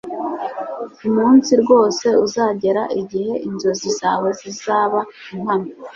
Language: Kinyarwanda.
Umunsi rwose uzagera igihe inzozi zawe zizaba impamo